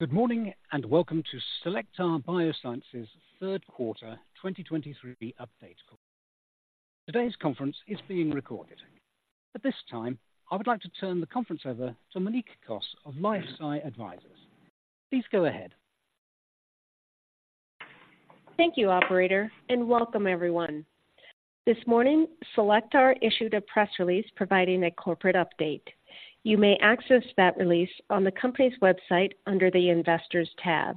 Good morning, and welcome to Cellectar Biosciences' Third Quarter 2023 Update Call. Today's conference is being recorded. At this time, I would like to turn the conference over to Monique Kosse of LifeSci Advisors. Please go ahead. Thank you, Operator, and welcome everyone. This morning, Cellectar issued a press release providing a corporate update. You may access that release on the company's website under the Investors tab.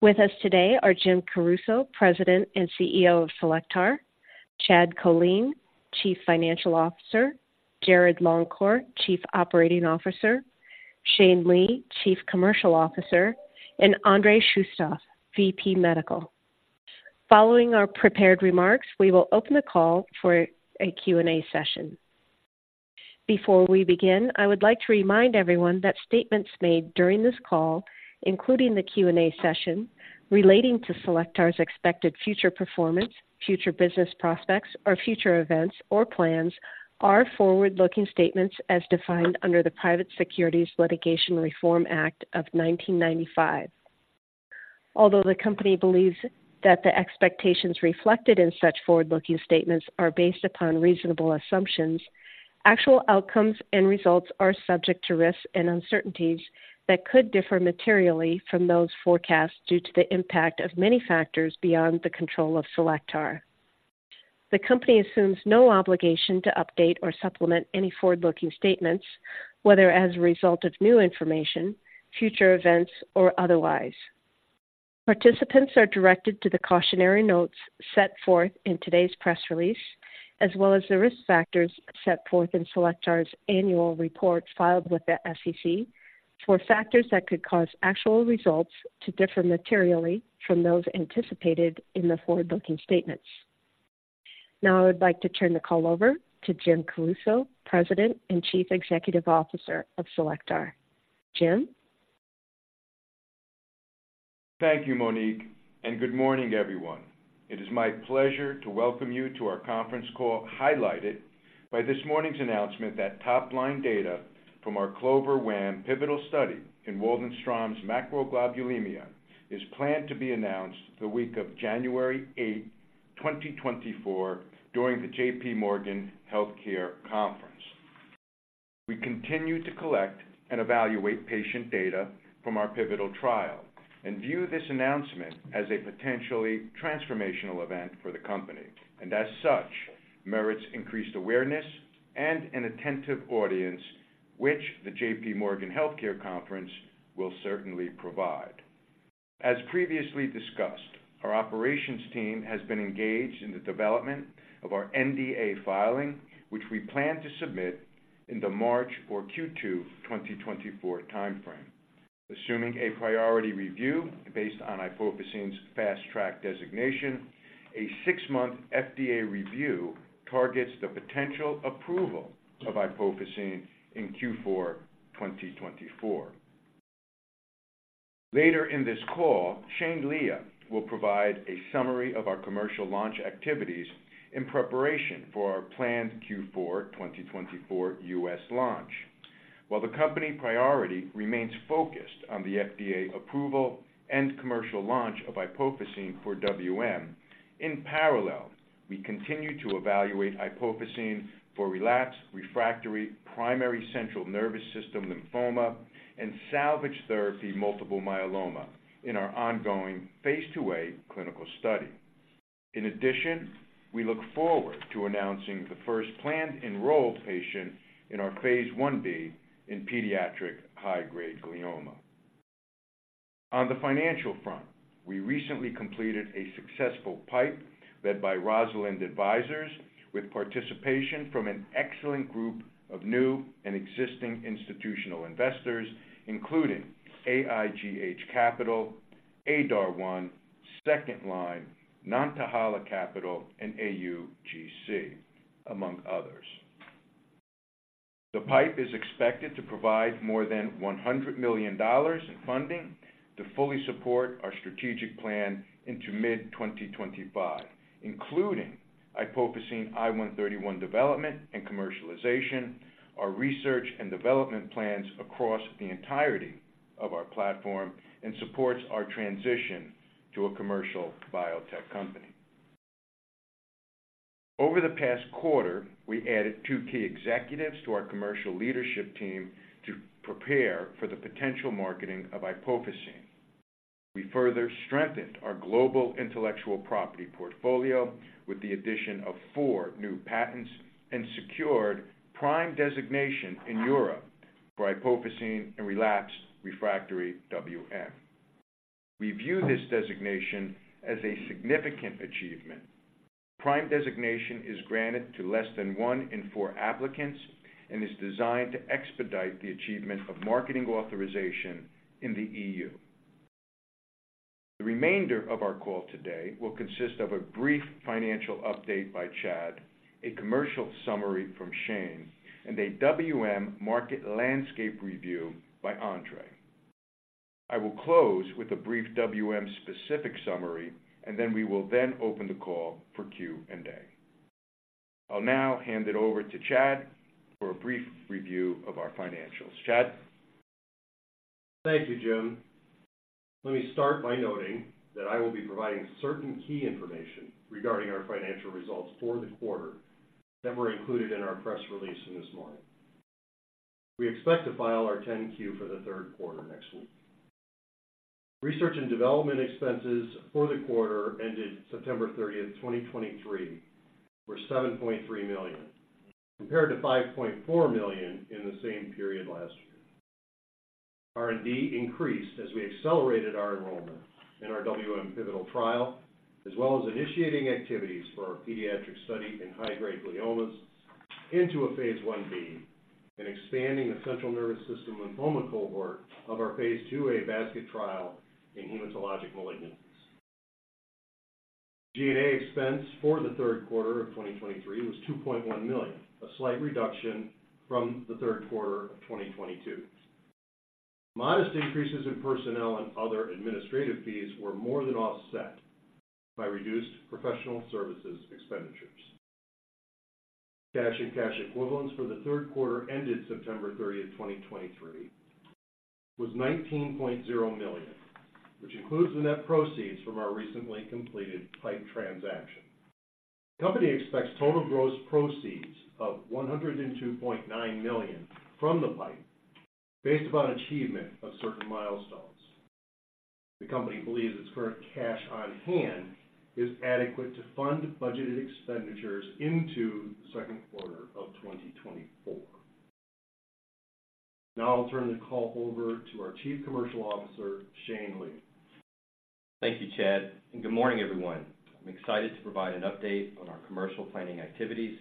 With us today are Jim Caruso, President and CEO of Cellectar, Chad Kolean, Chief Financial Officer, Jarrod Longcor, Chief Operating Officer, Shane Lee, Chief Commercial Officer, and Andrei Shustov, VP Medical. Following our prepared remarks, we will open the call for a Q&A session. Before we begin, I would like to remind everyone that statements made during this call, including the Q&A session relating to Cellectar's expected future performance, future business prospects, or future events or plans are forward-looking statements as defined under the Private Securities Litigation Reform Act of 1995. Although the company believes that the expectations reflected in such forward-looking statements are based upon reasonable assumptions, actual outcomes and results are subject to risks and uncertainties that could differ materially from those forecasts due to the impact of many factors beyond the control of Cellectar. The company assumes no obligation to update or supplement any forward-looking statements, whether as a result of new information, future events, or otherwise. Participants are directed to the cautionary notes set forth in today's press release, as well as the risk factors set forth in Cellectar's annual reports filed with the SEC for factors that could cause actual results to differ materially from those anticipated in the forward-looking statements. Now, I would like to turn the call over to Jim Caruso, President and Chief Executive Officer of Cellectar. Jim? Thank you, Monique, and good morning, everyone. It is my pleasure to welcome you to our conference call, highlighted by this morning's announcement that top-line data from our CLOVER-WaM pivotal study in Waldenström's macroglobulinemia is planned to be announced the week of January 8th, 2024, during the JPMorgan Healthcare Conference. We continue to collect and evaluate patient data from our pivotal trial and view this announcement as a potentially transformational event for the company, and as such, merits increased awareness and an attentive audience, which the JPMorgan Healthcare Conference will certainly provide. As previously discussed, our operations team has been engaged in the development of our NDA filing, which we plan to submit in the March or Q2 2024 timeframe. Assuming a priority review based on iopofosine's Fast Track designation, a 6-month FDA review targets the potential approval of iopofosine in Q4 2024. Later in this call, Shane Lee will provide a summary of our commercial launch activities in preparation for our planned Q4 2024 US launch. While the company priority remains focused on the FDA approval and commercial launch of iopofosine I 131 for WM, in parallel, we continue to evaluate iopofosine I 131 for relapsed/refractory primary central nervous system lymphoma and salvage therapy multiple myeloma in our ongoing phase II-A clinical study. In addition, we look forward to announcing the first planned enrolled patient in our phase I-B in pediatric high-grade glioma. On the financial front, we recently completed a successful PIPE led by Rosalind Advisors, with participation from an excellent group of new and existing institutional investors, including AIGH Capital, ADAR1, Second Line, Nantahala Capital, and AuCo, among others. The PIPE is expected to provide more than $100 million in funding to fully support our strategic plan into mid-2025, including iopofosine I 131 development and commercialization, our research and development plans across the entirety of our platform, and supports our transition to a commercial biotech company. Over the past quarter, we added two key executives to our commercial leadership team to prepare for the potential marketing of iopofosine. We further strengthened our global intellectual property portfolio with the addition of four new patents and secured PRIME Designation in Europe for iopofosine and relapsed/refractory WM. We view this designation as a significant achievement. PRIME Designation is granted to less than one in four applicants and is designed to expedite the achievement of marketing authorization in the EU. The remainder of our call today will consist of a brief financial update by Chad, a commercial summary from Shane, and a WM market landscape review by Andrei. I will close with a brief WM-specific summary, and then we will open the call for Q&A.... I'll now hand it over to Chad for a brief review of our financials. Chad? Thank you, Jim. Let me start by noting that I will be providing certain key information regarding our financial results for the quarter that were included in our press release this morning. We expect to file our 10-Q for the third quarter next week. Research and development expenses for the quarter ended September 30th, 2023, were $7.3 million, compared to $5.4 million in the same period last year. R&D increased as we accelerated our enrollment in our WM pivotal trial, as well as initiating activities for our pediatric study in high-grade gliomas into a phase I-B, and expanding the central nervous system lymphoma cohort of our phase II-A basket trial in hematologic malignancies. G&A expense for the third quarter of 2023 was $2.1 million, a slight reduction from the third quarter of 2022. Modest increases in personnel and other administrative fees were more than offset by reduced professional services expenditures. Cash and cash equivalents for the third quarter ended September 30th, 2023, was $19.0 million, which includes the net proceeds from our recently completed PIPE transaction. The company expects total gross proceeds of $102.9 million from the PIPE, based upon achievement of certain milestones. The company believes its current cash on hand is adequate to fund budgeted expenditures into the second quarter of 2024. Now I'll turn the call over to our Chief Commercial Officer, Shane Lea. Thank you, Chad, and good morning, everyone. I'm excited to provide an update on our commercial planning activities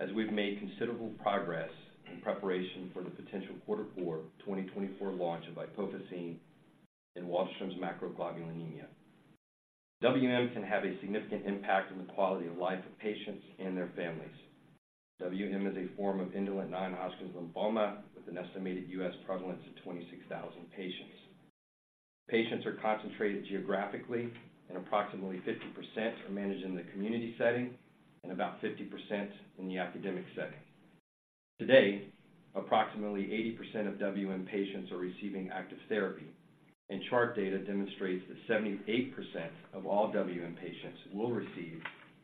as we've made considerable progress in preparation for the potential quarter four, 2024 launch of iopofosine I 131 in Waldenström's macroglobulinemia. WM can have a significant impact on the quality of life of patients and their families. WM is a form of indolent non-Hodgkin's lymphoma, with an estimated U.S. prevalence of 26,000 patients. Patients are concentrated geographically, and approximately 50% are managed in the community setting and about 50% in the academic setting. Today, approximately 80% of WM patients are receiving active therapy, and chart data demonstrates that 78% of all WM patients will receive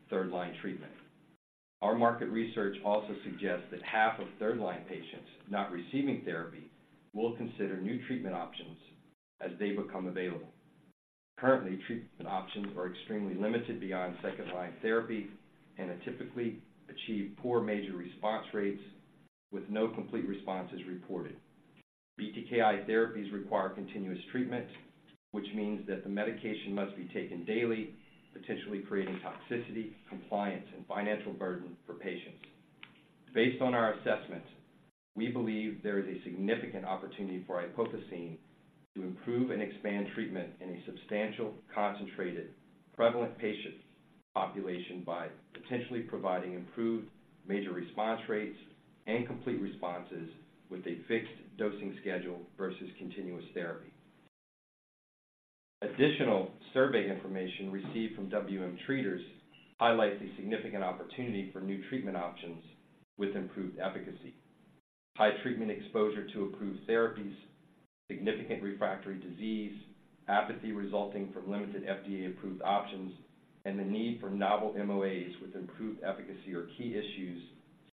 third-line treatment. Our market research also suggests that half of third-line patients not receiving therapy will consider new treatment options as they become available. Currently, treatment options are extremely limited beyond second-line therapy and have typically achieved poor major response rates with no complete responses reported. BTKI therapies require continuous treatment, which means that the medication must be taken daily, potentially creating toxicity, compliance, and financial burden for patients. Based on our assessments, we believe there is a significant opportunity for iopofosine to improve and expand treatment in a substantial, concentrated, prevalent patient population by potentially providing improved major response rates and complete responses with a fixed dosing schedule versus continuous therapy. Additional survey information received from WM treaters highlights the significant opportunity for new treatment options with improved efficacy. High treatment exposure to approved therapies, significant refractory disease, apathy resulting from limited FDA-approved options, and the need for novel MOAs with improved efficacy are key issues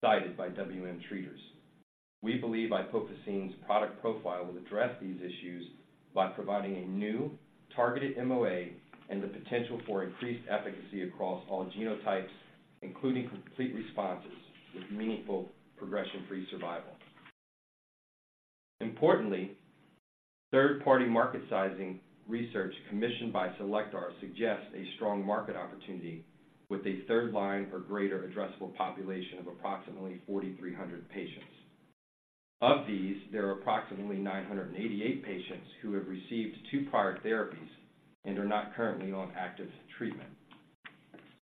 cited by WM treaters. We believe iopofosine I 131's product profile will address these issues by providing a new, targeted MOA and the potential for increased efficacy across all genotypes, including complete responses with meaningful progression-free survival. Importantly, third-party market sizing research commissioned by Cellectar suggests a strong market opportunity with a third-line or greater addressable population of approximately 4,300 patients. Of these, there are approximately 988 patients who have received two prior therapies and are not currently on active treatment.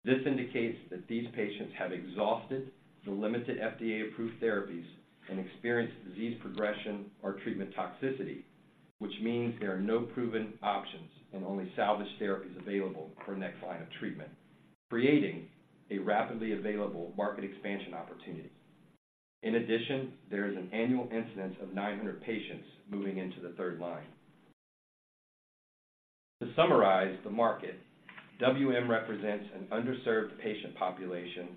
This indicates that these patients have exhausted the limited FDA-approved therapies and experienced disease progression or treatment toxicity, which means there are no proven options and only salvage therapies available for next line of treatment, creating a rapidly available market expansion opportunity. In addition, there is an annual incidence of 900 patients moving into the third line. To summarize the market, WM represents an underserved patient population,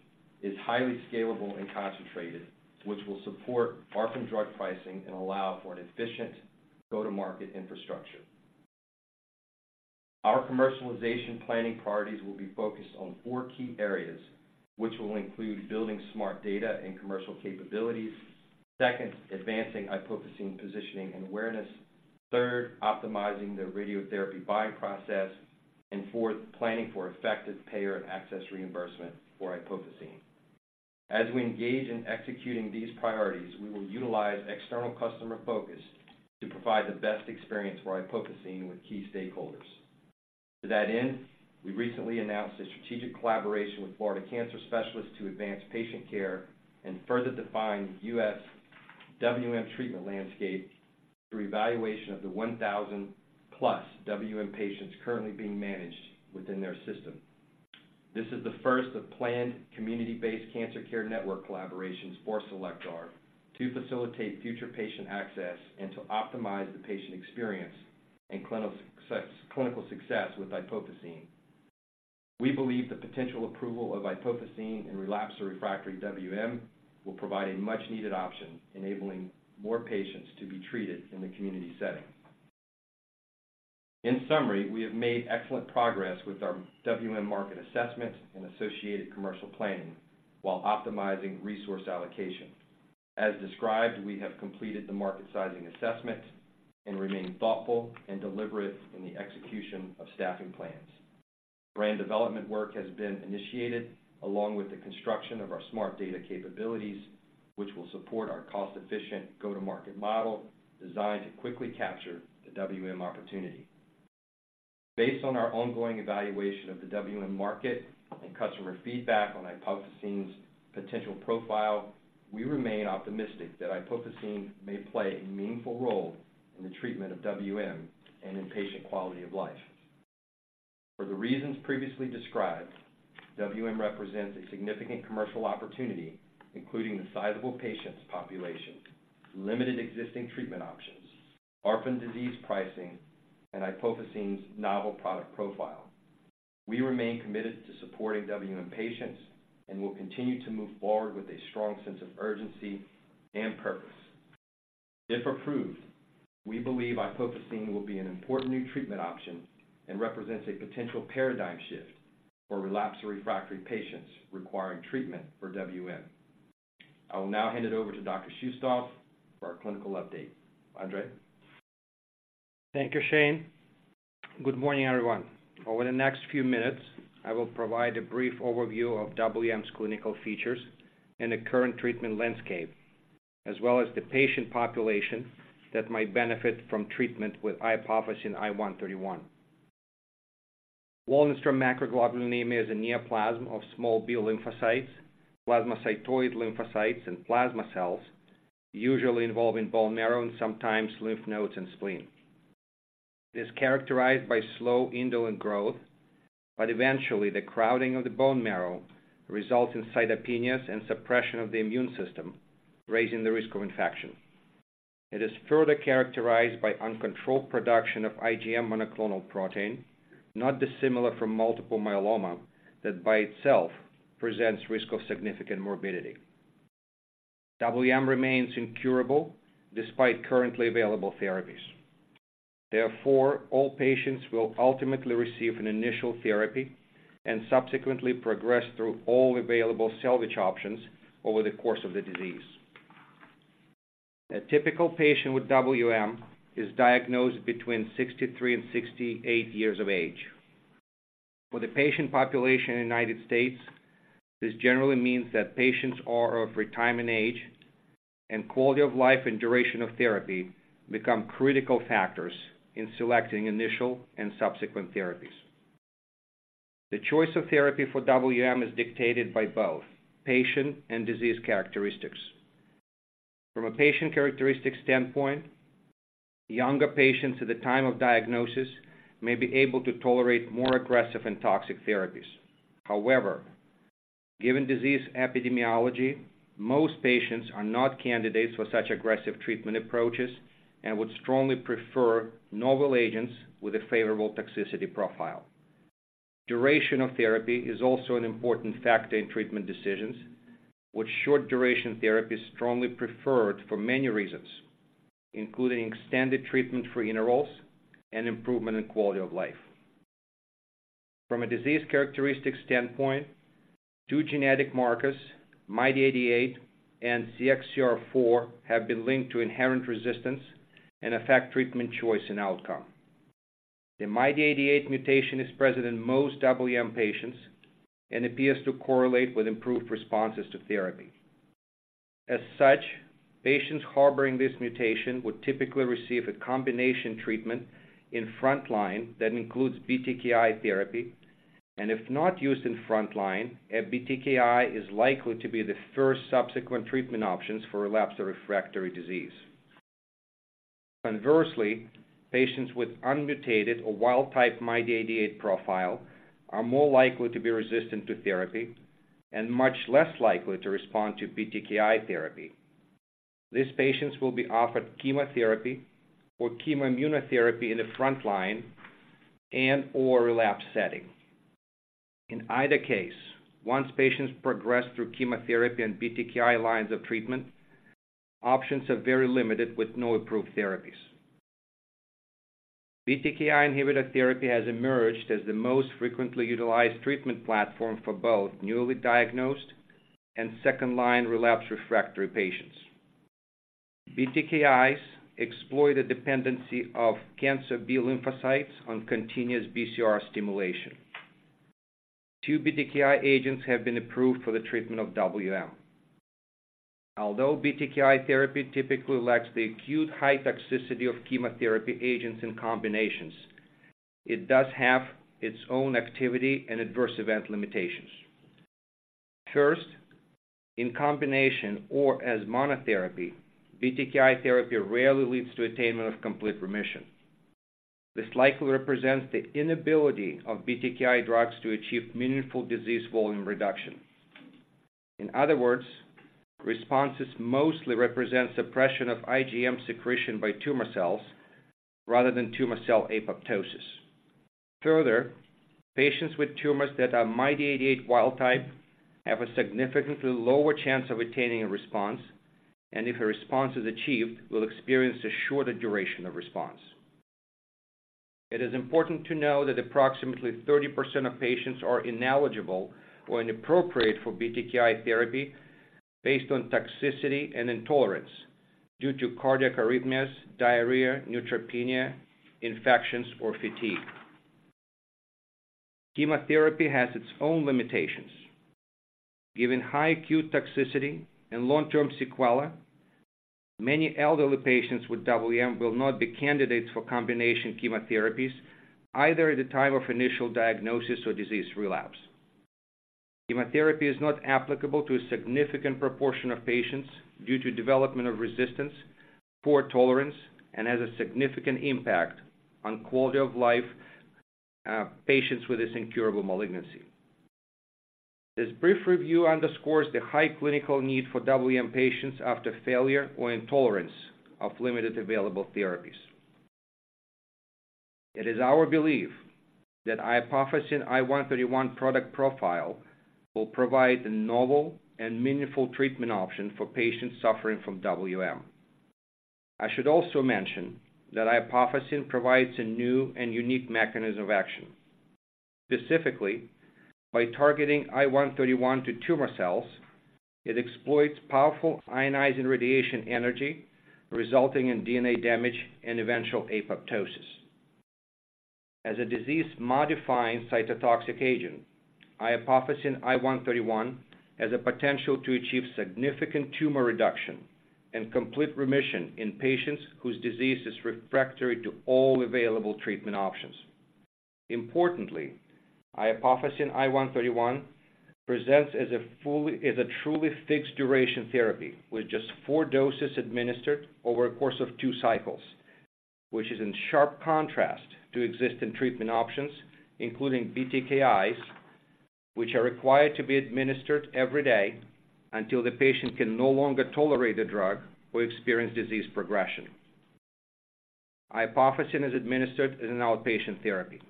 is highly scalable and concentrated, which will support orphan drug pricing and allow for an efficient go-to-market infrastructure. Our commercialization planning priorities will be focused on four key areas, which will include building smart data and commercial capabilities. Second, advancing iopofosine positioning and awareness. Third, optimizing the radiotherapy buying process, and fourth, planning for effective payer and access reimbursement for iopofosine. As we engage in executing these priorities, we will utilize external customer focus to provide the best experience for iopofosine with key stakeholders. To that end, we recently announced a strategic collaboration with Florida Cancer Specialists to advance patient care and further define U.S.-WM treatment landscape through evaluation of the 1,000+ WM patients currently being managed within their system. This is the first of planned community-based cancer care network collaborations for Cellectar to facilitate future patient access and to optimize the patient experience and clinical success, clinical success with iopofosine. We believe the potential approval of iopofosine in relapsed or refractory WM will provide a much-needed option, enabling more patients to be treated in the community setting. In summary, we have made excellent progress with our WM market assessment and associated commercial planning while optimizing resource allocation. As described, we have completed the market sizing assessment and remain thoughtful and deliberate in the execution of staffing plans. Brand development work has been initiated, along with the construction of our smart data capabilities, which will support our cost-efficient go-to-market model, designed to quickly capture the WM opportunity. Based on our ongoing evaluation of the WM market and customer feedback on iopofosine's potential profile, we remain optimistic that iopofosine may play a meaningful role in the treatment of WM and in patient quality of life. For the reasons previously described, WM represents a significant commercial opportunity, including the sizable patient population, limited existing treatment options, orphan disease pricing, and iopofosine's novel product profile. We remain committed to supporting WM patients and will continue to move forward with a strong sense of urgency and purpose. If approved, we believe iopofosine will be an important new treatment option and represents a potential paradigm shift for relapsed or refractory patients requiring treatment for WM. I will now hand it over to Dr. Shustov for our clinical update. Andrei? Thank you, Shane. Good morning, everyone. Over the next few minutes, I will provide a brief overview of WM's clinical features and the current treatment landscape, as well as the patient population that might benefit from treatment with iopofosine I 131. Waldenström's macroglobulinemia is a neoplasm of small B lymphocytes, plasmacytoid lymphocytes, and plasma cells, usually involving bone marrow and sometimes lymph nodes and spleen. It is characterized by slow indolent growth, but eventually the crowding of the bone marrow results in cytopenias and suppression of the immune system, raising the risk of infection. It is further characterized by uncontrolled production of IgM monoclonal protein, not dissimilar from multiple myeloma, that by itself presents risk of significant morbidity. WM remains incurable despite currently available therapies. Therefore, all patients will ultimately receive an initial therapy and subsequently progress through all available salvage options over the course of the disease. A typical patient with WM is diagnosed between 63 years and 68 years of age. For the patient population in the United States, this generally means that patients are of retirement age, and quality of life and duration of therapy become critical factors in selecting initial and subsequent therapies. The choice of therapy for WM is dictated by both patient and disease characteristics. From a patient characteristics standpoint, younger patients at the time of diagnosis may be able to tolerate more aggressive and toxic therapies. However, given disease epidemiology, most patients are not candidates for such aggressive treatment approaches and would strongly prefer novel agents with a favorable toxicity profile. Duration of therapy is also an important factor in treatment decisions, with short-duration therapy strongly preferred for many reasons, including extended treatment-free intervals and improvement in quality of life. From a disease characteristics standpoint, two genetic markers, MYD88 and CXCR4, have been linked to inherent resistance and affect treatment choice and outcome. The MYD88 mutation is present in most WM patients and appears to correlate with improved responses to therapy. As such, patients harboring this mutation would typically receive a combination treatment in frontline that includes BTKI therapy, and if not used in frontline, a BTKI is likely to be the first subsequent treatment options for relapsed or refractory disease. Conversely, patients with unmutated or wild-type MYD88 profile are more likely to be resistant to therapy and much less likely to respond to BTKI therapy. These patients will be offered chemotherapy or chemoimmunotherapy in the frontline and/or relapse setting. In either case, once patients progress through chemotherapy and BTKI lines of treatment, options are very limited with no approved therapies. BTKI inhibitor therapy has emerged as the most frequently utilized treatment platform for both newly diagnosed and second-line relapsed refractory patients. BTKIs exploit the dependency of cancer B lymphocytes on continuous BCR stimulation. Two BTKI agents have been approved for the treatment of WM. Although BTKI therapy typically lacks the acute high toxicity of chemotherapy agents in combinations, it does have its own activity and adverse event limitations. First, in combination or as monotherapy, BTKI therapy rarely leads to attainment of complete remission. This likely represents the inability of BTKI drugs to achieve meaningful disease volume reduction. In other words, responses mostly represent suppression of IgM secretion by tumor cells rather than tumor cell apoptosis. Further, patients with tumors that are MYD88 wild type have a significantly lower chance of attaining a response, and if a response is achieved, will experience a shorter duration of response. It is important to know that approximately 30% of patients are ineligible or inappropriate for BTKI therapy based on toxicity and intolerance due to cardiac arrhythmias, diarrhea, neutropenia, infections, or fatigue. Chemotherapy has its own limitations. Given high acute toxicity and long-term sequelae, many elderly patients with WM will not be candidates for combination chemotherapies, either at the time of initial diagnosis or disease relapse. Chemotherapy is not applicable to a significant proportion of patients due to development of resistance, poor tolerance, and has a significant impact on quality of life, patients with this incurable malignancy. This brief review underscores the high clinical need for WM patients after failure or intolerance of limited available therapies. It is our belief that iopofosine I 131 product profile will provide a novel and meaningful treatment option for patients suffering from WM. I should also mention that iopofosine I 131 provides a new and unique mechanism of action. Specifically, by targeting I-131 to tumor cells, it exploits powerful ionizing radiation energy, resulting in DNA damage and eventual apoptosis. As a disease-modifying cytotoxic agent, iopofosine I 131 has a potential to achieve significant tumor reduction and complete remission in patients whose disease is refractory to all available treatment options. Importantly, iopofosine I 131 presents as a truly fixed duration therapy, with just four doses administered over a course of two cycles, which is in sharp contrast to existing treatment options, including BTKIs, which are required to be administered every day until the patient can no longer tolerate the drug or experience disease progression. Iopofosine I 131 is administered as an outpatient therapy.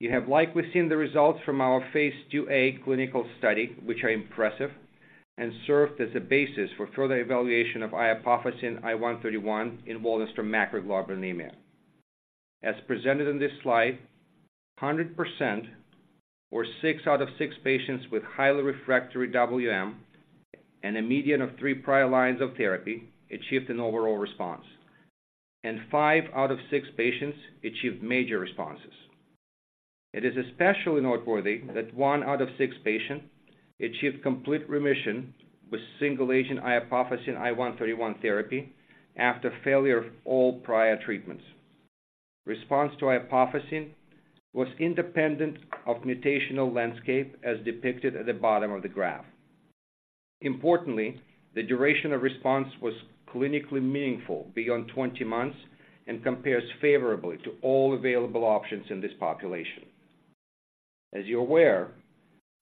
You have likely seen the results from our phase II-A clinical study, which are impressive and served as a basis for further evaluation of iopofosine I 131 in Waldenström's macroglobulinemia. As presented on this slide, 100% or 6 out of 6 patients with highly refractory WM and a median of 3 prior lines of therapy achieved an overall response, and 5 out of 6 patients achieved major responses. It is especially noteworthy that 1 out of 6 patients achieved complete remission with single-agent iopofosine I 131 therapy after failure of all prior treatments. Response to iopofosine was independent of mutational landscape, as depicted at the bottom of the graph. Importantly, the duration of response was clinically meaningful beyond 20 months and compares favorably to all available options in this population. As you're aware,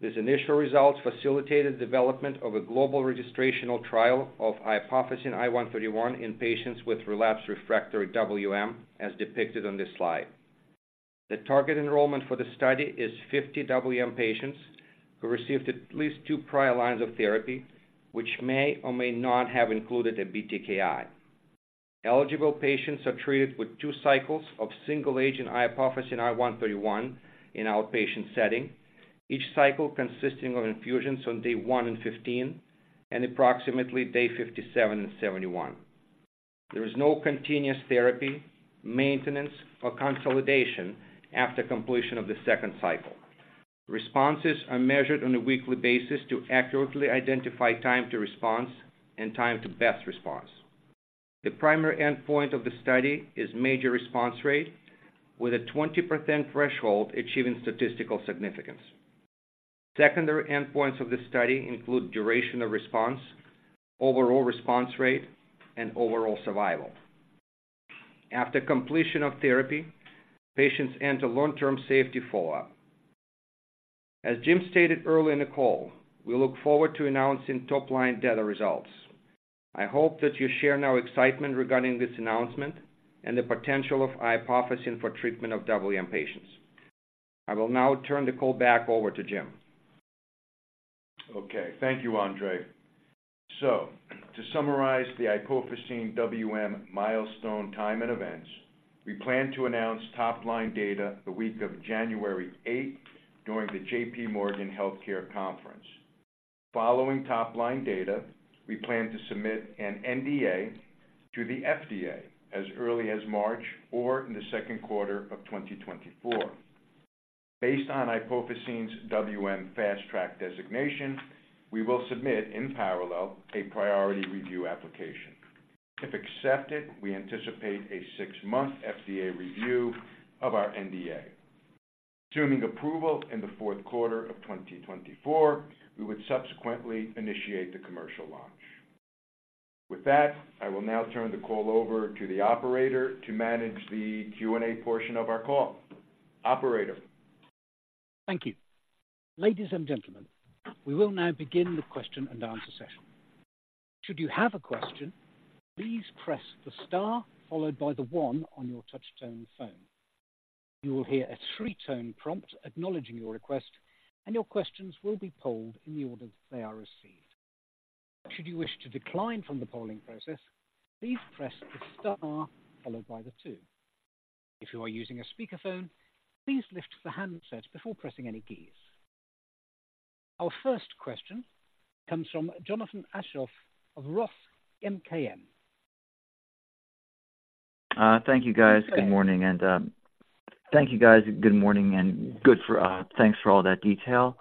these initial results facilitated the development of a global registrational trial of iopofosine I 131 in patients with relapsed refractory WM, as depicted on this slide. The target enrollment for the study is 50 WM patients who received at least two prior lines of therapy, which may or may not have included a BTKI. Eligible patients are treated with two cycles of single-agent iopofosine I 131 in outpatient setting, each cycle consisting of infusions on day 1 and 15, and approximately day 57 and 71. There is no continuous therapy, maintenance, or consolidation after completion of the second cycle. Responses are measured on a weekly basis to accurately identify time to response and time to best response. The primary endpoint of the study is major response rate, with a 20% threshold achieving statistical significance. Secondary endpoints of the study include duration of response, overall response rate, and overall survival. After completion of therapy, patients enter long-term safety follow-up. As Jim stated earlier in the call, we look forward to announcing top-line data results. I hope that you share in our excitement regarding this announcement and the potential of iopofosine for treatment of WM patients. I will now turn the call back over to Jim. Okay, thank you, Andrei. To summarize the iopofosine WM milestone timeline and events, we plan to announce top-line data the week of January eighth, during the JP Morgan Healthcare Conference. Following top-line data, we plan to submit an NDA to the FDA as early as March or in the second quarter of 2024. Based on iopofosine's WM Fast Track designation, we will submit in parallel a priority review application. If accepted, we anticipate a six-month FDA review of our NDA. Assuming approval in the fourth quarter of 2024, we would subsequently initiate the commercial launch. With that, I will now turn the call over to the operator to manage the Q&A portion of our call. Operator? Thank you. Ladies and gentlemen, we will now begin the question-and-answer session. Should you have a question, please press the star followed by the one on your touchtone phone. You will hear a three-tone prompt acknowledging your request, and your questions will be polled in the order that they are received. Should you wish to decline from the polling process, please press the star followed by the two. If you are using a speakerphone, please lift the handset before pressing any keys. Our first question comes from Jonathan Aschoff of Roth MKM. Thank you, guys. Good morning, and thanks for all that detail.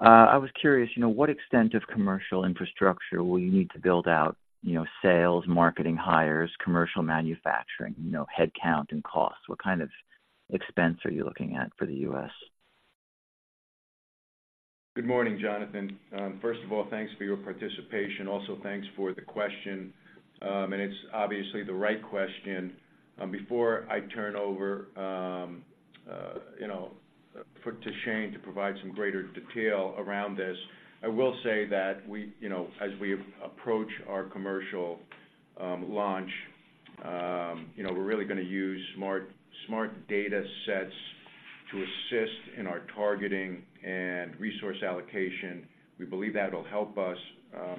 I was curious, you know, what extent of commercial infrastructure will you need to build out, you know, sales, marketing hires, commercial manufacturing, you know, headcount and costs? What kind of expense are you looking at for the US? Good morning, Jonathan. First of all, thanks for your participation. Also, thanks for the question. And it's obviously the right question. Before I turn over, you know, to Shane to provide some greater detail around this, I will say that we, you know, as we approach our commercial launch, you know, we're really gonna use smart data sets to assist in our targeting and resource allocation. We believe that'll help us,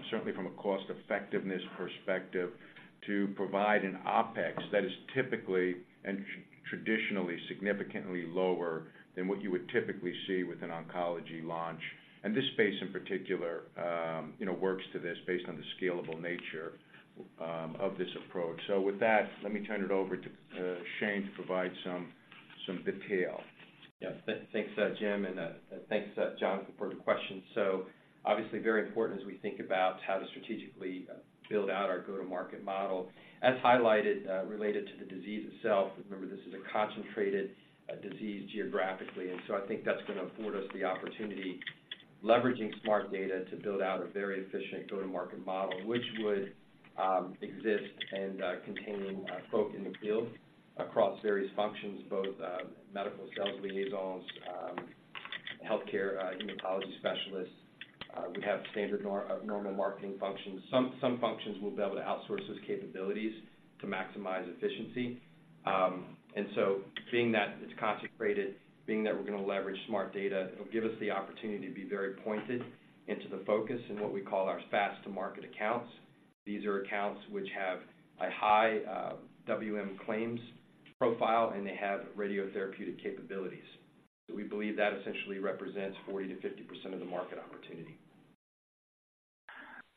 certainly from a cost effectiveness perspective, to provide an OpEx that is typically and traditionally, significantly lower than what you would typically see with an oncology launch. And this space, in particular, you know, works to this based on the scalable nature of this approach. So with that, let me turn it over to Shane to provide some detail. Yeah. Thanks, Jim, and thanks, Jonathan, for the question. So obviously, very important as we think about how to strategically build out our go-to-market model. As highlighted, related to the disease itself, remember, this is a concentrated disease geographically, and so I think that's gonna afford us the opportunity, leveraging smart data, to build out a very efficient go-to-market model, which would exist and containing folks in the field across various functions, both medical sales liaisons, healthcare hematology specialists. We have standard normal marketing functions. Some functions we'll be able to outsource those capabilities to maximize efficiency. And so being that it's concentrated, being that we're gonna leverage smart data, it'll give us the opportunity to be very pointed into the focus in what we call our fast-to-market accounts. These are accounts which have a high WM claims profile, and they have radiotherapeutic capabilities. We believe that essentially represents 40%-50% of the market opportunity.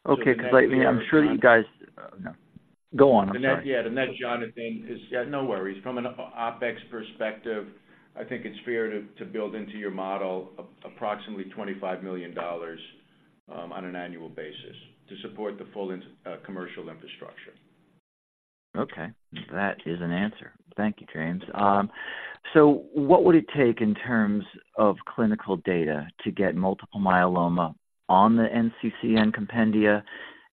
Okay, 'cause I'm sure that you guys- Yeah. Go on. I'm sorry. Then, Jonathan, 'cause... Yeah, no worries. From an OpEx perspective, I think it's fair to build into your model approximately $25 million on an annual basis to support the full commercial infrastructure. Okay, that is an answer. Thank you, James. So what would it take in terms of clinical data to get multiple myeloma on the NCCN compendia?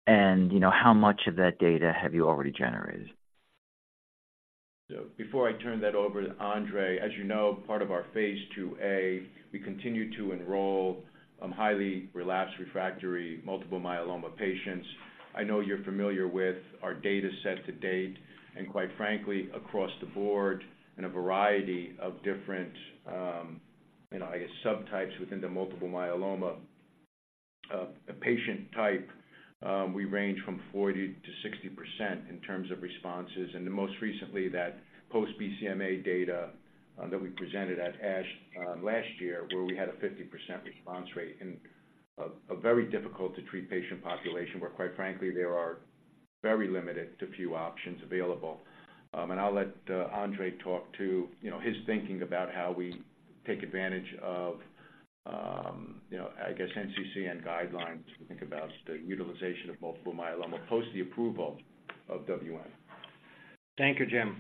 And, you know, how much of that data have you already generated? So before I turn that over to Andrei, as you know, part of our phase IIa, we continue to enroll, highly relapsed, refractory multiple myeloma patients. I know you're familiar with our data set to date, and quite frankly, across the board, in a variety of different, you know, I guess, subtypes within the multiple myeloma, a patient type, we range from 40%-60% in terms of responses, and the most recently, that post-BCMA data, that we presented at ASH, last year, where we had a 50% response rate in a very difficult-to-treat patient population, where, quite frankly, there are very limited to few options available. I'll let Andrei talk to, you know, his thinking about how we take advantage of, you know, I guess NCCN guidelines to think about the utilization of multiple myeloma post the approval of WM. Thank you, Jim.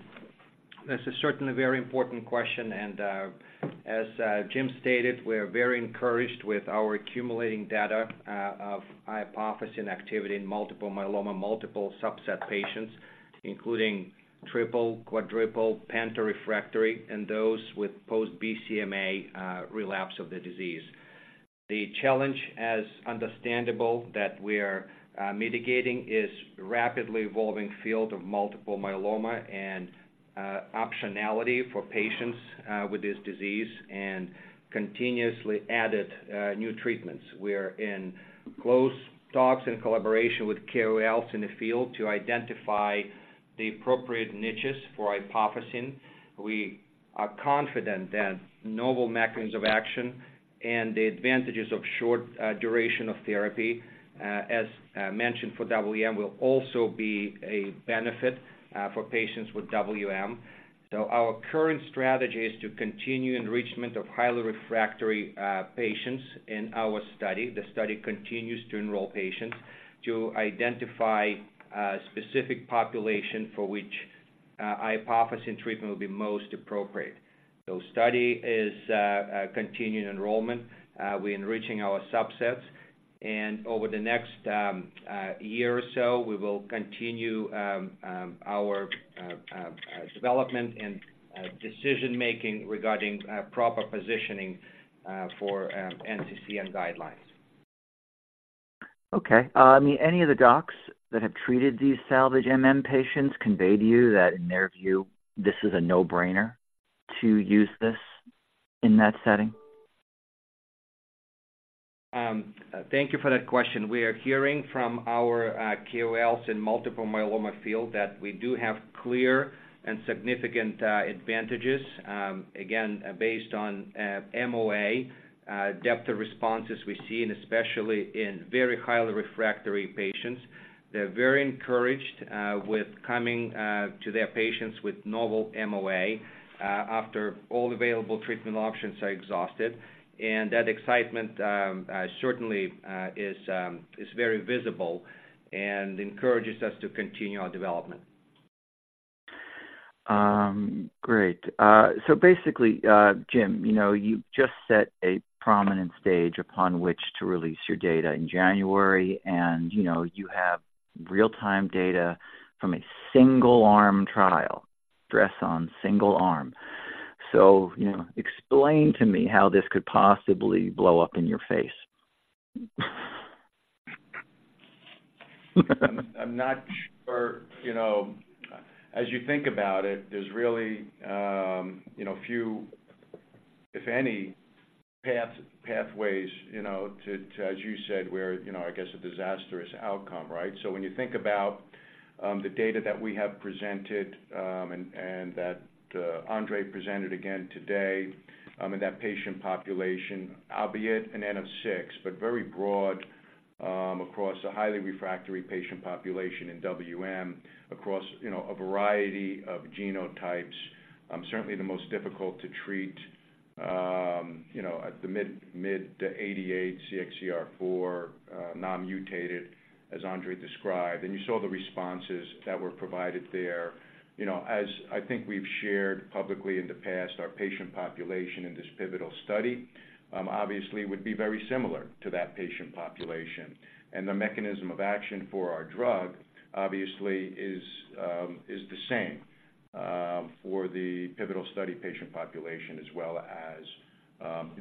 This is certainly a very important question, and, as Jim stated, we are very encouraged with our accumulating data of iopofosine activity in multiple myeloma, multiple subset patients, including triple, quadruple, penta-refractory, and those with post-BCMA relapse of the disease. The challenge, as understandable, that we are mitigating, is rapidly evolving field of multiple myeloma and optionality for patients with this disease and continuously added new treatments. We're in close talks and collaboration with KOLs in the field to identify the appropriate niches for iopofosine. We are confident that novel mechanisms of action and the advantages of short duration of therapy, as mentioned for WM, will also be a benefit for patients with WM. So our current strategy is to continue enrichment of highly refractory patients in our study. The study continues to enroll patients to identify a specific population for which iopofosine treatment will be most appropriate. So study is continuing enrollment. We're enriching our subsets, and over the next year or so, we will continue our development and decision-making regarding proper positioning for NCCN guidelines. Okay. Any of the docs that have treated these salvage MM patients conveyed to you that in their view, this is a no-brainer to use this in that setting? Thank you for that question. We are hearing from our KOLs in multiple myeloma field, that we do have clear and significant advantages. Again, based on MOA, depth of responses we see, and especially in very highly refractory patients. They're very encouraged with coming to their patients with novel MOA after all available treatment options are exhausted. And that excitement certainly is very visible and encourages us to continue our development. Great. So basically, Jim, you know, you've just set a prominent stage upon which to release your data in January, and, you know, you have real-time data from a single-arm trial, stress on single arm. So, you know, explain to me how this could possibly blow up in your face? I'm not sure. You know, as you think about it, there's really, you know, few, if any, pathways, you know, to, as you said, where, you know, I guess, a disastrous outcome, right? So when you think about, the data that we have presented, and that, Andrei presented again today, in that patient population, albeit an N of six, but very broad, across a highly refractory patient population in WM, across, you know, a variety of genotypes. Certainly the most difficult to treat, you know, at the mid- to 88 CXCR4, non-mutated, as Andrei described. And you saw the responses that were provided there. You know, as I think we've shared publicly in the past, our patient population in this pivotal study, obviously, would be very similar to that patient population. The mechanism of action for our drug, obviously, is the same for the pivotal study patient population as well as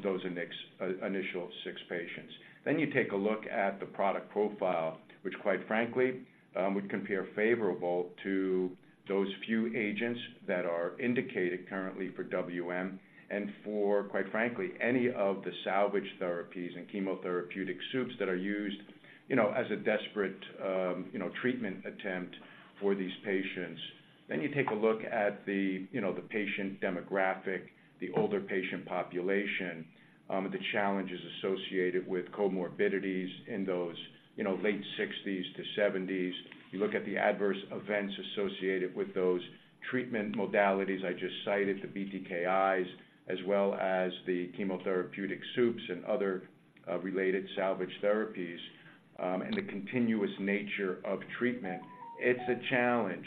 those in the initial six patients. Then you take a look at the product profile, which quite frankly would compare favorable to those few agents that are indicated currently for WM and for, quite frankly, any of the salvage therapies and chemotherapeutic soups that are used, you know, as a desperate, you know, treatment attempt for these patients. Then you take a look at the, you know, the patient demographic, the older patient population, and the challenges associated with comorbidities in those, you know, late 60s to 70s. You look at the adverse events associated with those treatment modalities I just cited, the BTKIs, as well as the chemotherapeutic soups and other related salvage therapies, and the continuous nature of treatment. It's a challenge,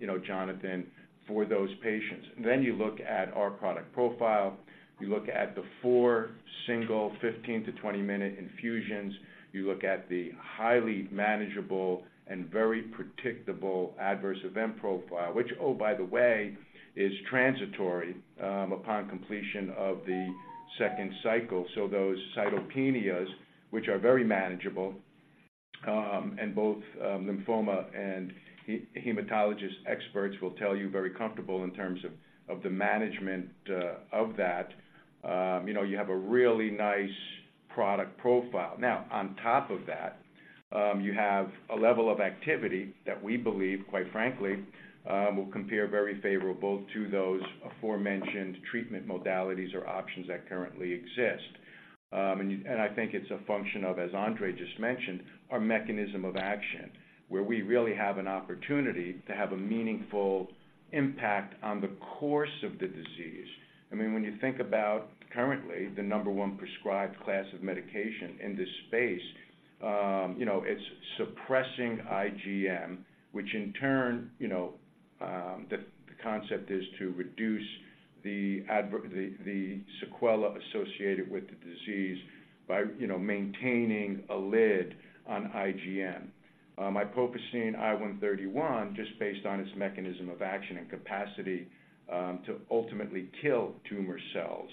you know, Jonathan, for those patients. Then you look at our product profile. You look at the four single 15 minute-20 minute infusions, you look at the highly manageable and very predictable adverse event profile, which, oh, by the way, is transitory upon completion of the second cycle. So those cytopenias, which are very manageable, and both lymphoma and hematologist experts will tell you, very comfortable in terms of the management of that, you know, you have a really nice product profile. Now, on top of that, you have a level of activity that we believe, quite frankly, will compare very favorable to those aforementioned treatment modalities or options that currently exist. And I think it's a function of, as Andrei just mentioned, our mechanism of action, where we really have an opportunity to have a meaningful impact on the course of the disease. I mean, when you think about currently, the number one prescribed class of medication in this space, you know, it's suppressing IgM, which in turn, you know, the, the concept is to reduce the the sequela associated with the disease by, you know, maintaining a lid on IgM. Iopofosine I 131, just based on its mechanism of action and capacity to ultimately kill tumor cells,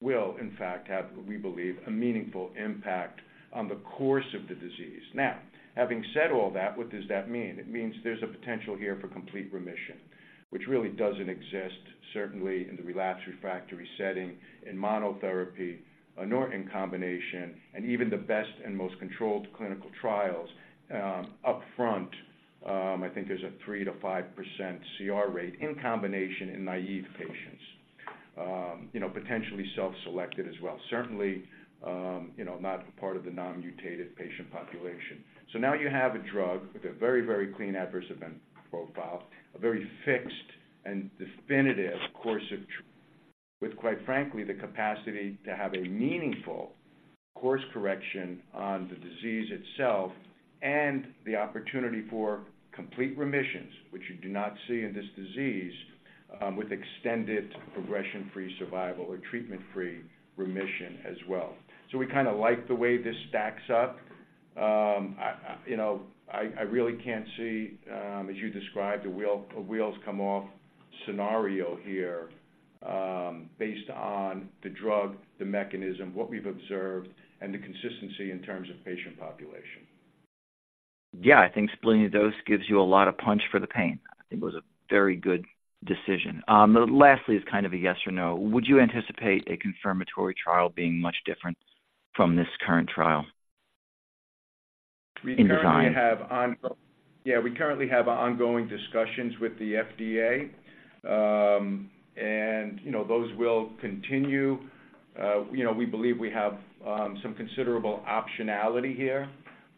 will in fact have, we believe, a meaningful impact on the course of the disease. Now, having said all that, what does that mean? It means there's a potential here for complete remission, which really doesn't exist, certainly in the relapsed refractory setting, in monotherapy, nor in combination, and even the best and most controlled clinical trials upfront, I think there's a 3%-5% CR rate in combination in naive patients, you know, potentially self-selected as well. Certainly, you know, not part of the non-mutated patient population. So now you have a drug with a very, very clean adverse event profile, a very fixed and definitive course of treatment with, quite frankly, the capacity to have a meaningful course correction on the disease itself and the opportunity for complete remissions, which you do not see in this disease, with extended progression-free survival or treatment-free remission as well. So we kind of like the way this stacks up. I, you know, really can't see, as you described, the wheels come off scenario here, based on the drug, the mechanism, what we've observed, and the consistency in terms of patient population. Yeah, I think splitting the dose gives you a lot of punch for the pain. I think it was a very good decision. Lastly, is kind of a yes or no. Would you anticipate a confirmatory trial being much different from this current trial in design? We currently have ongoing discussions with the FDA. And, you know, those will continue. You know, we believe we have some considerable optionality here.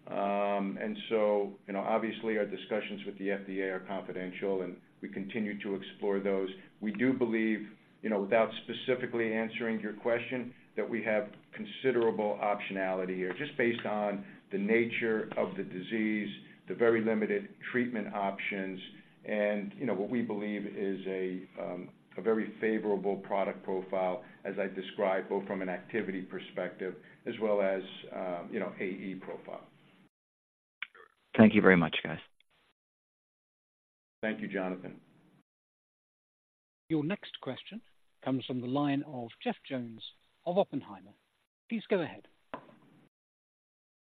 And so, you know, obviously, our discussions with the FDA are confidential, and we continue to explore those. We do believe, you know, without specifically answering your question, that we have considerable optionality here, just based on the nature of the disease, the very limited treatment options, and, you know, what we believe is a very favorable product profile, as I described, both from an activity perspective as well as, you know, AE profile. Thank you very much, guys. Thank you, Jonathan. Your next question comes from the line of Jeff Jones of Oppenheimer. Please go ahead.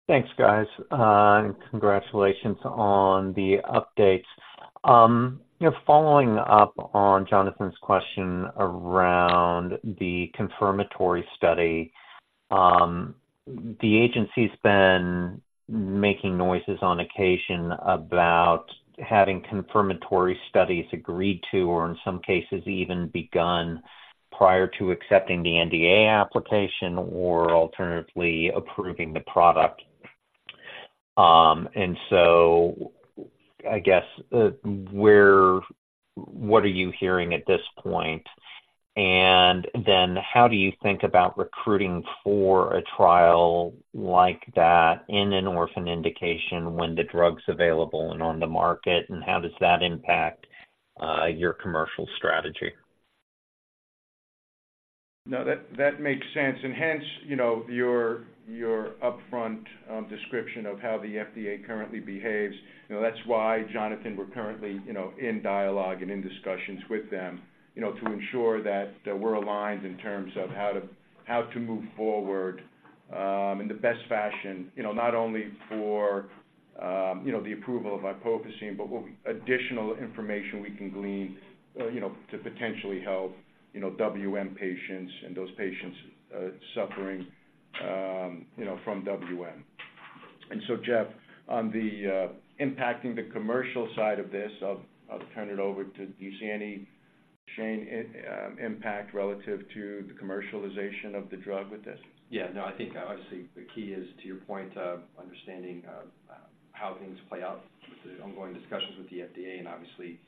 Thanks, guys, and congratulations on the updates. You know, following up on Jonathan's question around the confirmatory study, the agency's been making noises on occasion about having confirmatory studies agreed to, or in some cases, even begun prior to accepting the NDA application or alternatively, approving the product. And so I guess, what are you hearing at this point? And then how do you think about recruiting for a trial like that in an orphan indication when the drug's available and on the market, and how does that impact your commercial strategy? No, that, that makes sense. And hence, you know, your, your upfront description of how the FDA currently behaves, you know, that's why, Jonathan, we're currently, you know, in dialogue and in discussions with them, you know, to ensure that, that we're aligned in terms of how to, how to move forward, in the best fashion. You know, not only for, you know, the approval of iopofosine I 131, but what additional information we can glean, you know, to potentially help, you know, WM patients and those patients, suffering, you know, from WM. And so, Jeff, on the impacting the commercial side of this, I'll, I'll turn it over to... Do you see any, Shane, impact relative to the commercialization of the drug with this? Yeah, no, I think obviously the key is, to your point, understanding of how things play out with the ongoing discussions with the FDA, and obviously,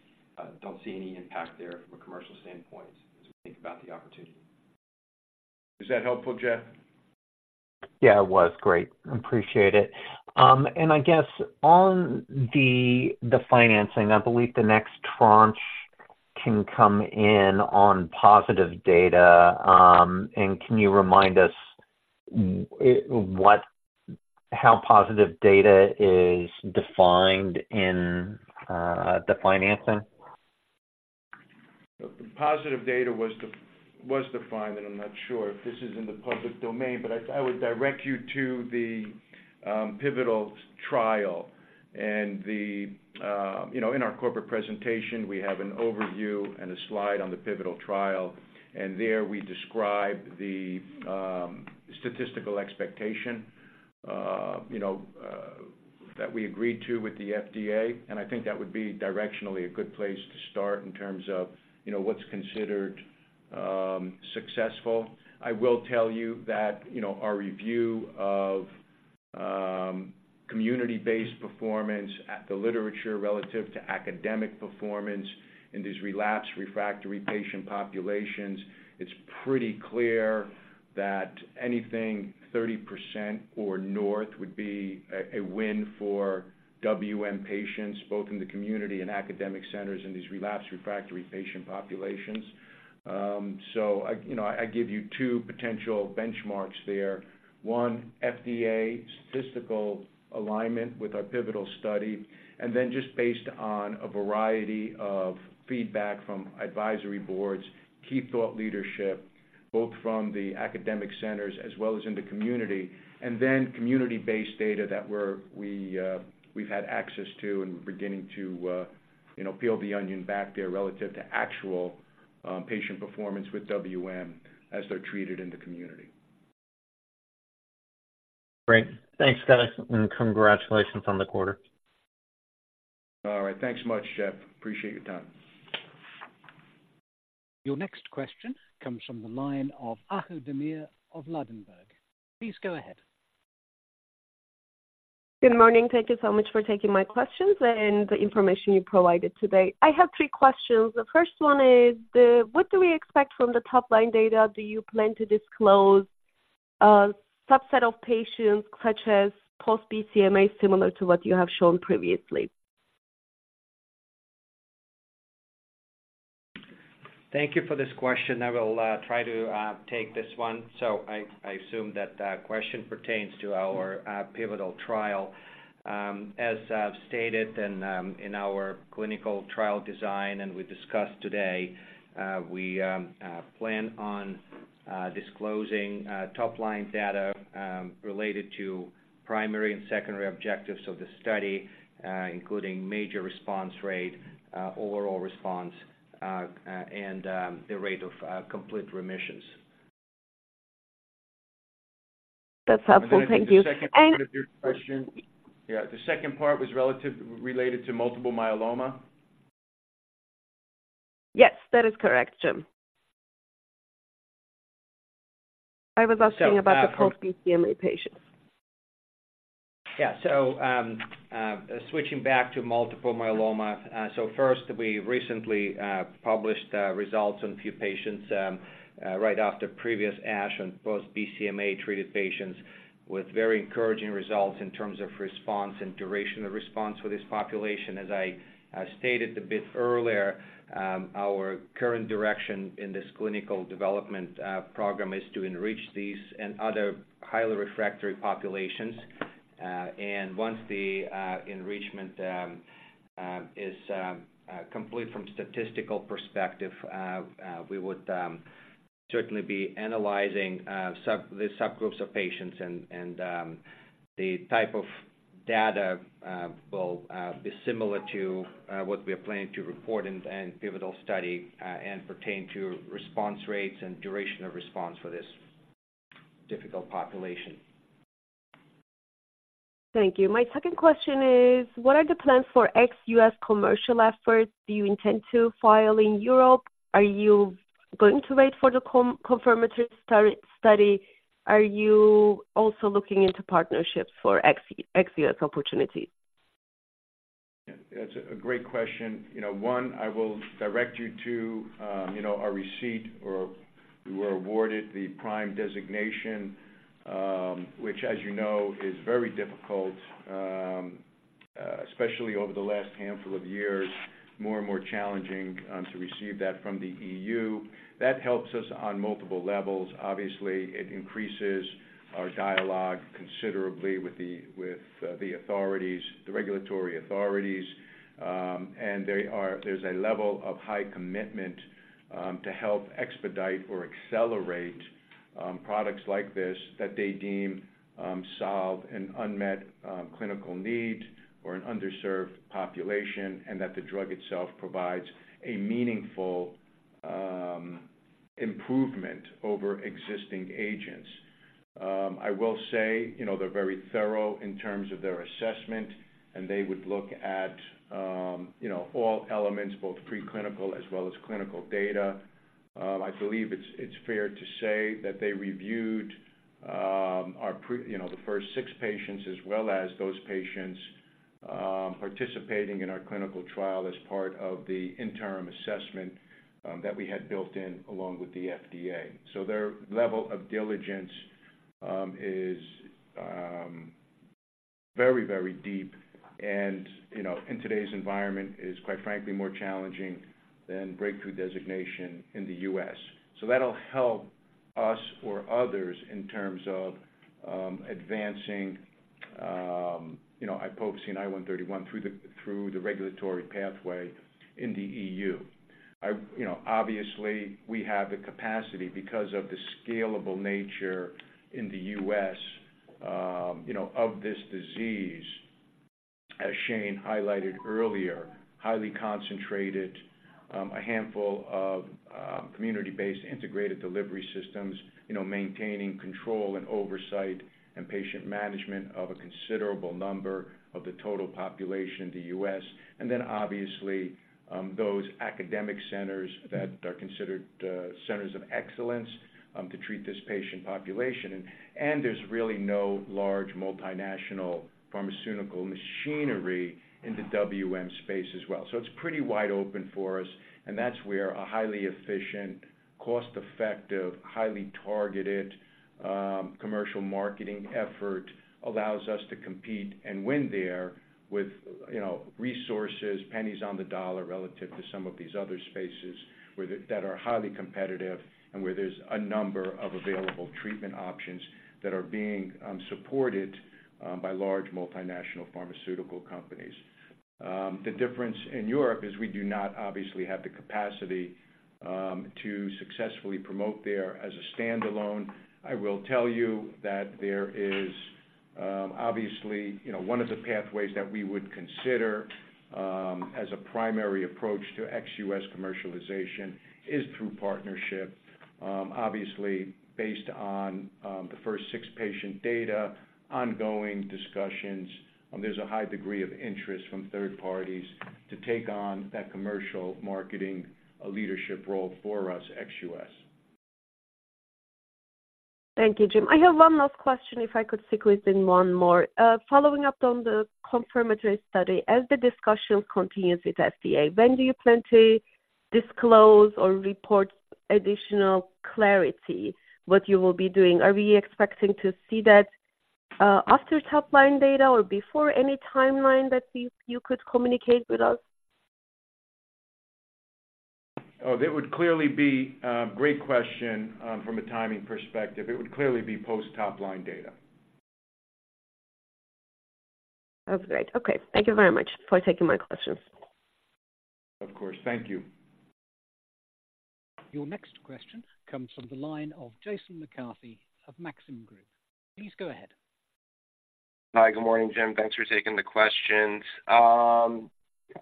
don't see any impact there from a commercial standpoint as we think about the opportunity. Is that helpful, Jeff? Yeah, it was great. Appreciate it. And I guess on the, the financing, I believe the next tranche can come in on positive data. And can you remind us what-- how positive data is defined in, the financing? The positive data was defined, and I'm not sure if this is in the public domain, but I would direct you to the pivotal trial. You know, in our corporate presentation, we have an overview and a slide on the pivotal trial, and there we describe the statistical expectation, you know, that we agreed to with the FDA. And I think that would be directionally a good place to start in terms of, you know, what's considered successful. I will tell you that, you know, our review of community-based performance in the literature relative to academic performance in these relapsed/refractory patient populations, it's pretty clear that anything 30% or north would be a win for WM patients, both in the community and academic centers, in these relapsed/refractory patient populations. So I, you know, I give you two potential benchmarks there. One, FDA statistical alignment with our pivotal study, and then just based on a variety of feedback from advisory boards, key thought leadership, both from the academic centers as well as in the community, and then community-based data that we've had access to and we're beginning to, you know, peel the onion back there relative to actual patient performance with WM as they're treated in the community. Great. Thanks, guys, and congratulations on the quarter. All right. Thanks so much, Jeff. Appreciate your time. Your next question comes from the line of Ahu Demir of Ladenburg. Please go ahead. Good morning. Thank you so much for taking my questions and the information you provided today. I have three questions. The first one is, what do we expect from the top-line data? Do you plan to disclose a subset of patients, such as post-BCMA, similar to what you have shown previously? Thank you for this question. I will try to take this one. So I assume that the question pertains to our pivotal trial. As I've stated in our clinical trial design and we discussed today, we plan on disclosing top-line data related to primary and secondary objectives of the study, including major response rate, overall response, and the rate of complete remissions. That's helpful. Thank you. And then the second part of your question... Yeah, the second part was related to multiple myeloma? Yes, that is correct, Jim. I was asking about- So, uh- The post-BCMA patients. Yeah. So, switching back to multiple myeloma. So first, we recently published results on a few patients right after previous ASH on post-BCMA-treated patients with very encouraging results in terms of response and duration of response for this population. As I stated a bit earlier, our current direction in this clinical development program is to enrich these and other highly refractory populations. And once the enrichment is complete from statistical perspective, we would certainly be analyzing the subgroups of patients and the type of data will be similar to what we are planning to report in the end pivotal study and pertain to response rates and duration of response for this difficult population. Thank you. My second question is, what are the plans for ex-US commercial efforts? Do you intend to file in Europe? Are you going to wait for the confirmatory study? Are you also looking into partnerships for ex-US opportunities? Yeah, that's a great question. You know, one, I will direct you to, you know, our receipt or we were awarded the PRIME Designation, which, as you know, is very difficult, especially over the last handful of years, more and more challenging, to receive that from the EU. That helps us on multiple levels. Obviously, it increases our dialogue considerably with the, with, the authorities, the regulatory authorities, and they are. There's a level of high commitment, to help expedite or accelerate, products like this that they deem, solve an unmet, clinical need or an underserved population, and that the drug itself provides a meaningful, improvement over existing agents. I will say, you know, they're very thorough in terms of their assessment, and they would look at, you know, all elements, both preclinical as well as clinical data. I believe it's fair to say that they reviewed our pre... you know, the first six patients, as well as those patients participating in our clinical trial as part of the interim assessment that we had built in along with the FDA. So their level of diligence is very, very deep and, you know, in today's environment, is quite frankly, more challenging than breakthrough designation in the US. So that'll help us or others in terms of advancing, you know, iopofosine I 131 through the regulatory pathway in the EU. I... You know, obviously, we have the capacity because of the scalable nature in the U.S., you know, of this disease, as Shane highlighted earlier, highly concentrated, a handful of, community-based integrated delivery systems, you know, maintaining control and oversight and patient management of a considerable number of the total population in the U.S. And then, obviously, those academic centers that are considered, centers of excellence, to treat this patient population. And there's really no large multinational pharmaceutical machinery in the WM space as well. So it's pretty wide open for us, and that's where a highly efficient, cost-effective, highly targeted, commercial marketing effort allows us to compete and win there with, you know, resources, pennies on the dollar relative to some of these other spaces, where that are highly competitive and where there's a number of available treatment options that are being supported by large multinational pharmaceutical companies. The difference in Europe is we do not obviously have the capacity to successfully promote there as a standalone. I will tell you that there is, obviously, you know, one of the pathways that we would consider as a primary approach to ex-US commercialization is through partnership. Obviously, based on the first six patient data, ongoing discussions, there's a high degree of interest from third parties to take on that commercial marketing leadership role for us, ex-US. Thank you, Jim. I have one last question, if I could squeeze in one more. Following up on the confirmatory study, as the discussion continues with FDA, when do you plan to disclose or report additional clarity, what you will be doing? Are we expecting to see that, after top line data or before any timeline that you, you could communicate with us? Oh, that would clearly be... great question. From a timing perspective, it would clearly be post top-line data. That's great. Okay, thank you very much for taking my questions. Of course. Thank you. Your next question comes from the line of Jason McCarthy of Maxim Group. Please go ahead. Hi, good morning, Jim. Thanks for taking the questions.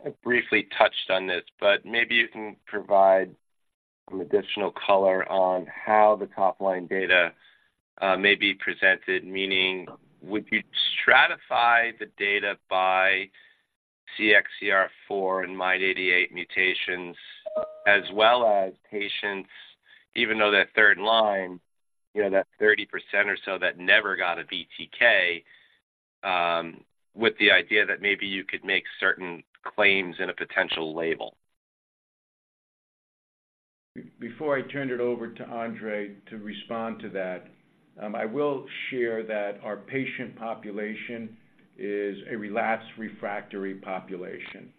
You briefly touched on this, but maybe you can provide some additional color on how the top-line data may be presented. Meaning, would you stratify the data by CXCR4 and MYD88 mutations as well as patients, even though they're third line, you know, that 30% or so that never got a BTK, with the idea that maybe you could make certain claims in a potential label? Before I turn it over to Andrei to respond to that, I will share that our patient population is a relapsed refractory population,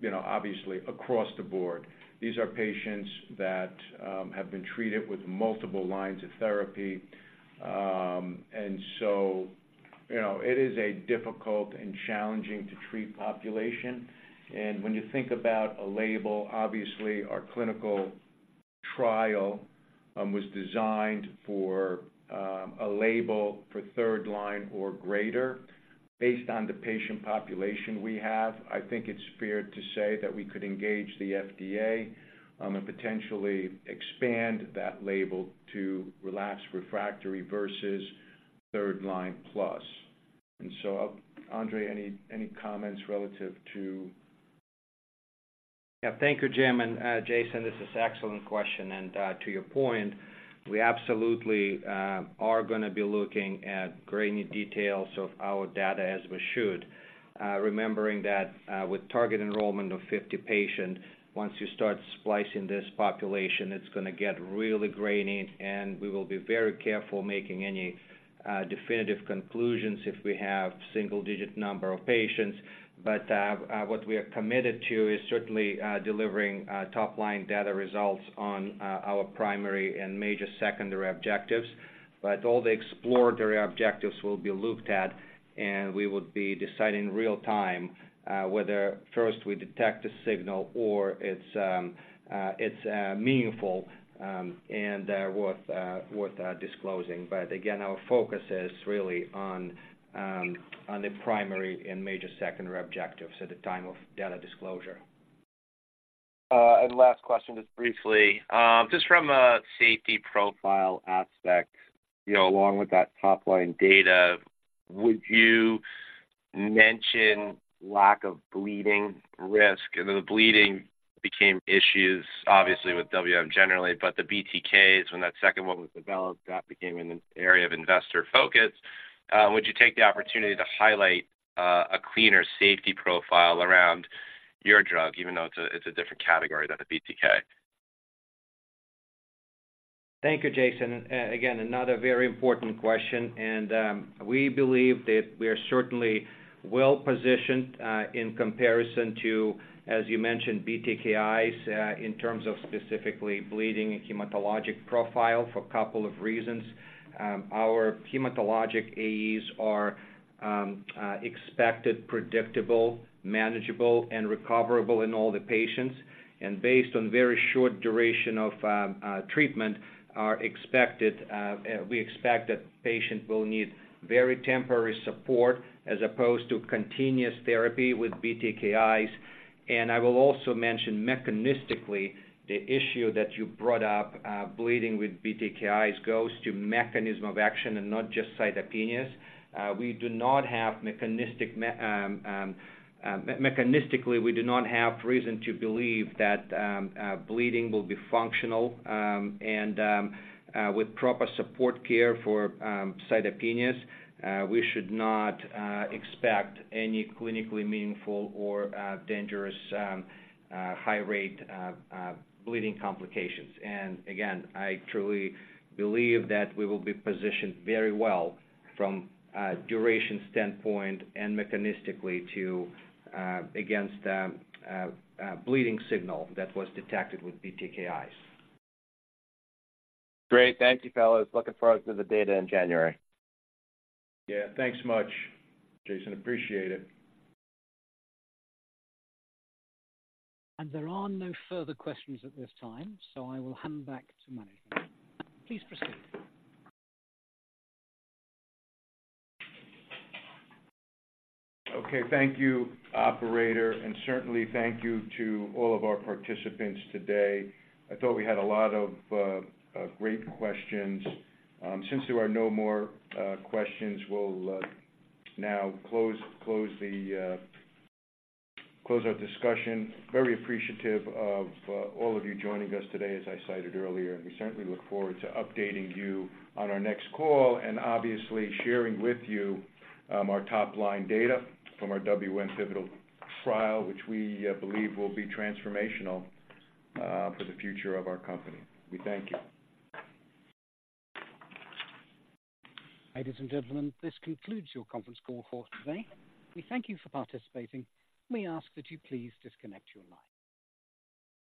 you know, obviously across the board. These are patients that have been treated with multiple lines of therapy. You know, it is a difficult and challenging to treat population. When you think about a label, obviously our clinical trial was designed for a label for third line or greater. Based on the patient population we have, I think it's fair to say that we could engage the FDA and potentially expand that label to relapsed refractory versus third line plus. So, Andrei, any, any comments relative to? Yeah. Thank you, Jim and, Jason, this is excellent question. And, to your point, we absolutely, are gonna be looking at grainy details of our data, as we should. Remembering that, with target enrollment of 50 patients, once you start splicing this population, it's gonna get really grainy, and we will be very careful making any, definitive conclusions if we have single-digit number of patients. But, what we are committed to is certainly, delivering, top-line data results on, our primary and major secondary objectives. But all the exploratory objectives will be looked at, and we will be deciding real-time, whether first we detect a signal or it's, it's, meaningful, and, worth, disclosing. But again, our focus is really on the primary and major secondary objectives at the time of data disclosure. And last question, just briefly. Just from a safety profile aspect, you know, along with that top-line data, would you mention lack of bleeding risk? And the bleeding became issues, obviously, with WM generally, but the BTKs, when that second one was developed, that became an area of investor focus. Would you take the opportunity to highlight a cleaner safety profile around your drug, even though it's a, it's a different category than the BTK? Thank you, Jason. Again, another very important question, and we believe that we are certainly well-positioned in comparison to, as you mentioned, BTKIs, in terms of specifically bleeding and hematologic profile for a couple of reasons. Our hematologic AEs are expected, predictable, manageable, and recoverable in all the patients, and based on very short duration of treatment, are expected, we expect that patients will need very temporary support as opposed to continuous therapy with BTKIs. And I will also mention mechanistically, the issue that you brought up, bleeding with BTKIs goes to mechanism of action and not just cytopenias. Mechanistically, we do not have reason to believe that bleeding will be functional, and with proper supportive care for cytopenias, we should not expect any clinically meaningful or dangerous high rate bleeding complications. And again, I truly believe that we will be positioned very well from a duration standpoint and mechanistically to against a bleeding signal that was detected with BTKIs. Great. Thank you, fellows. Looking forward to the data in January. Yeah, thanks much, Jason. Appreciate it. There are no further questions at this time, so I will hand back to management. Please proceed. Okay, thank you, operator, and certainly thank you to all of our participants today. I thought we had a lot of great questions. Since there are no more questions, we'll now close our discussion. Very appreciative of all of you joining us today, as I cited earlier, and we certainly look forward to updating you on our next call and obviously sharing with you our top-line data from our WM pivotal trial, which we believe will be transformational for the future of our company. We thank you. Ladies and gentlemen, this concludes your conference call for today. We thank you for participating. We ask that you please disconnect your line.